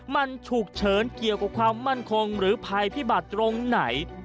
มันฉุกเฉินเกี่ยวกับความมั่นคงหรือภัยพิบัตรตรงไหน